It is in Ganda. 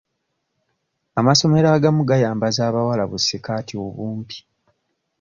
Amasomero agamu gayambaza abawala bu sikaati obumpi.